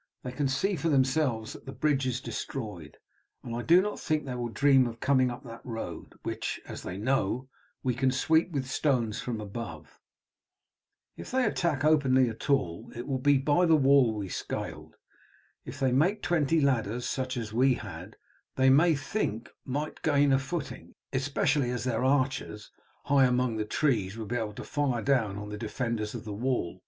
They can see for themselves that the bridge is destroyed, and I do not think they will dream of coming up that road, which, as they know, we can sweep with stones from above. If they attack openly at all, it will be by the wall we scaled. If they make twenty ladders such as we had they may think they might gain a footing, especially as their archers high among the trees would be able to fire down on the defenders of the wall.